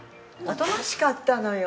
おとなしかったのよ。